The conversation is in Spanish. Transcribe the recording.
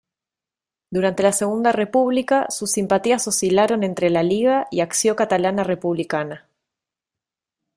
Durante la Segunda República sus simpatías oscilaron entre la Lliga y Acció Catalana Republicana.